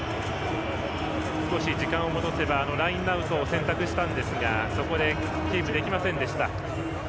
少し時間を戻せばラインアウトを選択したんですがそこでキープできませんでした。